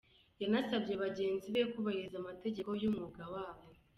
Yanasabye bagenzi be kubahiriza amategeko y’umwuga wabo.